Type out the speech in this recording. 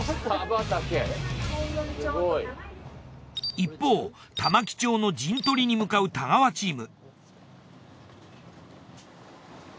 一方玉城町の陣取りに向かう太川チーム。